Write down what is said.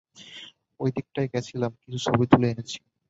ওই দিকটাই গেছিলাম, কিছু ছবি তুলে এনেছি।